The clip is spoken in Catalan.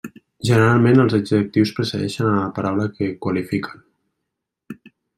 Generalment els adjectius precedeixen a la paraula que qualifiquen.